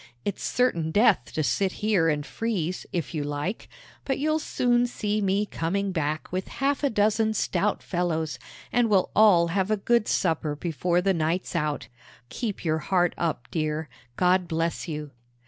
It's certain death to sit here and freeze, if you like; but you'll soon see me coming back with half a dozen stout fellows, and we'll all have a good supper before the night's out. Keep your heart up, dear. God bless you!"